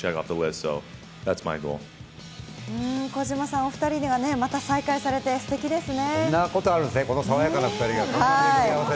児嶋さん、おふたりにはまた再会されてステキですね。